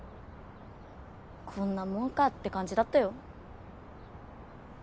こんなもんかって感じだったよ。